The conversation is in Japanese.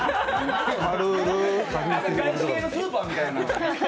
外資系のスーパーみたいな。